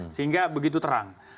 sehingga begitu terang